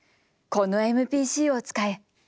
「このＭＰＣを使え。